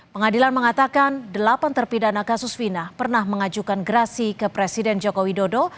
pengadilan mengatakan delapan terpidana kasus fina pernah mengajukan gerasi ke presiden joko widodo